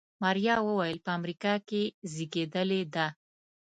ماريا وويل په امريکا کې زېږېدلې ده.